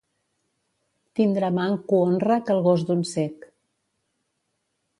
Tindre manco honra que el gos d'un cec.